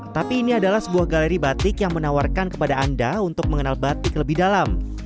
tapi ini adalah sebuah galeri batik yang menawarkan kepada anda untuk mengenal batik lebih dalam